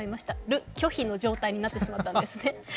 「る」拒否の状態になってしまったんですね。